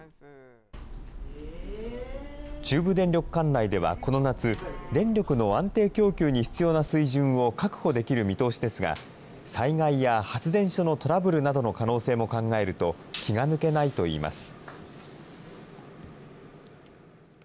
中部電力管内ではこの夏、電力の安定供給に必要な水準を確保できる見通しですが、災害や発電所のトラブルなどの可能性も考えると、気が抜けないといいます。